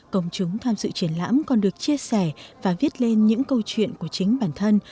công chúng tham dự triển lãm còn được chia sẻ và viết lên những câu chuyện của chính bản thân